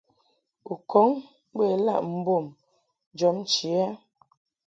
U kɔŋ bə ilaʼ mbom jɔbnchi ɛ ?